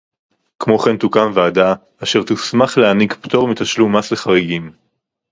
כמו כן תוקם ועדה אשר תוסמך להעניק פטור מתשלום מס לחריגים